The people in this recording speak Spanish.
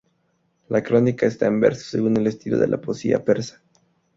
La crónica está en verso, según el estilo de la poesía persa.